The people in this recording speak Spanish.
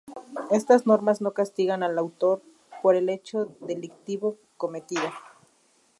Estas normas no castigan al autor por el hecho delictivo cometido.